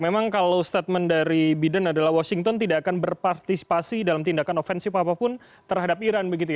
memang kalau statement dari biden adalah washington tidak akan berpartisipasi dalam tindakan ofensif apapun terhadap iran